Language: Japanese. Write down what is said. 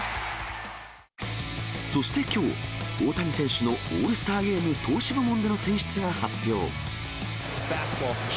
そしてきょう、大谷選手のオールスターゲーム投手部門での選出が発表。